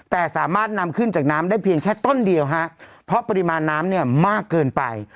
แต่สามารถนำขึ้นจากน้ำได้เพียงแค่ต้นเดียวฮะเพราะปริมาณน้ำเนี่ยมากเกินไป